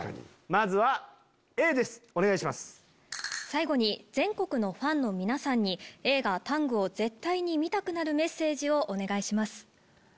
最後に全国のファンの皆さんに映画『ＴＡＮＧタング』を絶対に見たくなるメッセージをお願いします。